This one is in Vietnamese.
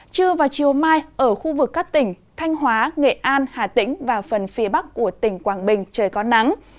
trưa và chiều mai ở khu vực các tỉnh thanh hóa nghệ an hà tĩnh và phần phía bắc của tỉnh quảng bình trời có nắng